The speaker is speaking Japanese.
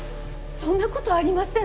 そんなことありません。